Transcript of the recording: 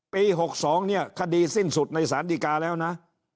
ปี๖๒เนี่ยคดีสิ้นสุดในศาลดีกาแล้วนะ